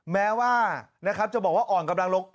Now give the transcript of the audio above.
แม้ว่าจะบอกว่าอ่อนกำลังลง